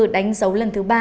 đánh dấu lần thứ ba